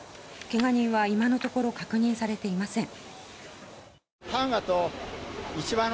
けが人は今のところ確認されていません。